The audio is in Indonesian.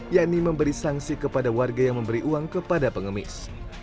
yakni memberi sanksi kepada warga yang memberi uang kepada pengemis